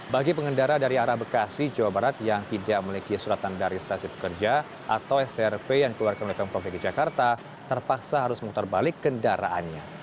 bagi pengendara dari arah bekasi jawa barat yang tidak memiliki surat tanda registrasi pekerja atau strp yang dikeluarkan oleh pemprov dki jakarta terpaksa harus memutar balik kendaraannya